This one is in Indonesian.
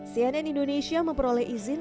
cnn indonesia memperoleh izin